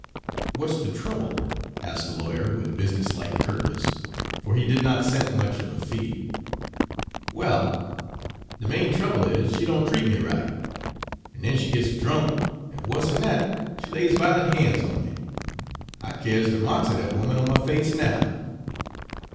"What 's the trouble?" asked the lawyer, with business like curtness, for he did not scent much of a fee. "Well, de main trouble is she doan treat me right. An' den she gits drunk, an' wuss'n dat, she lays vi'lent han's on me. I kyars de marks er dat 'oman on my face now."